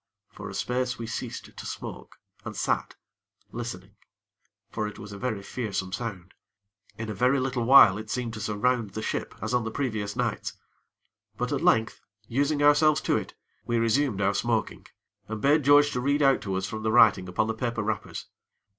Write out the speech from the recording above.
For a space, we ceased to smoke, and sat listening; for it was a very fearsome sound. In a very little while it seemed to surround the ship, as on the previous nights; but at length, using ourselves to it, we resumed our smoking, and bade George to read out to us from the writing upon the paper wrappers.